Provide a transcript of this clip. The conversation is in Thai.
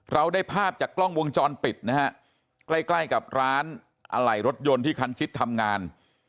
เราได้ภาพจากกล้องวงจรปิดนะฮะใกล้ใกล้กับร้านอะไหล่รถยนต์ที่คันชิดทำงาน